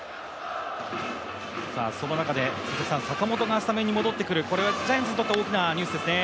その中で坂本がスタメンに戻ってくる、これはジャイアンツにとっては大きなニュースですね。